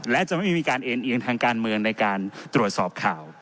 และจะไม่มีการเอ็นเอียงทางการเมืองในการตรวจสอบข่าว